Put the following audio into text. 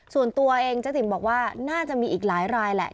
ส่วนตัวเองเจ๊ติ๋มบอกว่าน่าจะมีอีกหลายรายแหละ